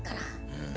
うん。